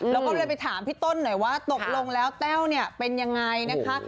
เราก็เลยไปถามพี่ต้นหน่อยว่าตกลงแล้วแต้วเนี่ยเป็นยังไงนะคะ